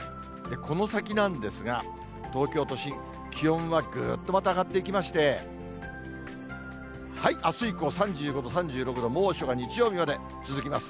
この先なんですが、東京都心、気温はぐーっとまた上がっていきまして、あす以降、３５度、３６度、猛暑が日曜日まで続きます。